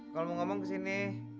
kalau mau ngomong kesini